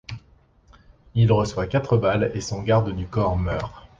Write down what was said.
Il reçoit quatre balles et son garde du corps meurt.